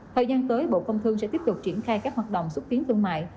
thời gian tới bộ phòng thương sẽ tiếp tục triển khai các hoạt động xuất tiến thương mại